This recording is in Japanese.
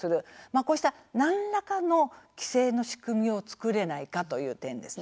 こうした何らかの規制の仕組みを作れないかという点ですね。